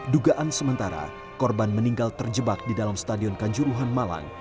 dugaan sementara korban meninggal terjebak di dalam stadion kanjuruhan malang